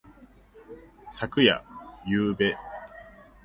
昨夜。ゆうべ。